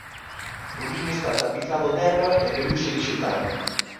O niño está tapizado de herba e peluxe vexetal.